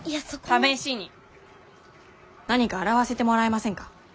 試しに何か洗わせてもらえませんか？